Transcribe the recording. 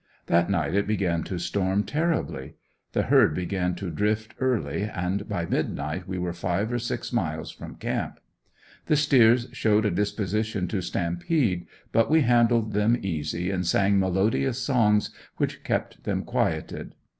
That night it began to storm terribly. The herd began to drift early and by midnight we were five or six miles from camp. The steers showed a disposition to stampede but we handled them easy and sang melodious songs which kept them quieted.